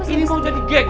ini mau jadi geng